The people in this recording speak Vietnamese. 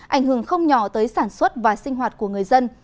ảnh hưởng không nhỏ tới sản xuất và sinh hoạt của người dân